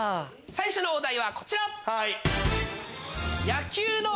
最初のお題はこちら。